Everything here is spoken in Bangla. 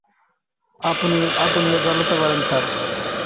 আপনিও জ্বালাতে পারেন, স্যার।